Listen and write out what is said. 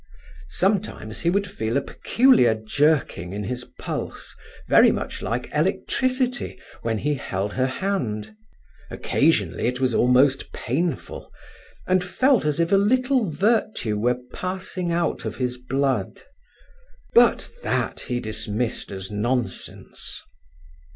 Sometimes he would feel a peculiar jerking in his pulse, very much like electricity, when he held her hand. Occasionally it was almost painful, and felt as if a little virtue were passing out of his blood. But that he dismissed as nonsense.